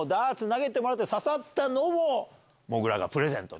投げてもらって刺さったのをもぐらがプレゼント。